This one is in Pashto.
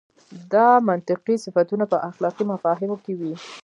دا منطقي صفتونه په اخلاقي مفاهیمو کې وي.